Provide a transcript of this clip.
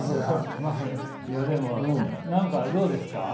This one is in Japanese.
いやでも何かどうですか？